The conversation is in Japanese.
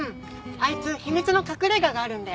あいつ秘密の隠れ家があるんだよ。